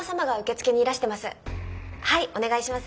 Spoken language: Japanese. はいお願いします。